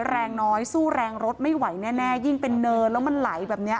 แรงน้อยสู้แรงรถไม่ไหวแน่ยิ่งเป็นเนินแล้วมันไหลแบบเนี้ย